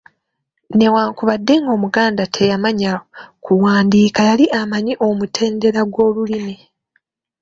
Newankubadde ng’Omuganda teyamanya kuwandiika yali amanyi omutendera gw’olulimi